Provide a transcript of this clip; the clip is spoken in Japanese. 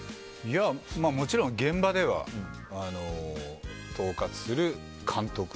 もちろん、現場では統括する監督。